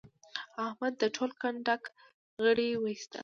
احمد د ټول کنډک غړي واېستل.